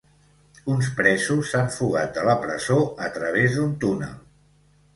Uns presos s'han fugat de la presó a través d'un túnel.